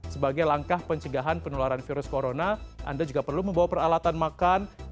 sebagai langkah pencegahan penularan virus corona anda juga perlu membawa peralatan makan hingga alat ibadah pribadi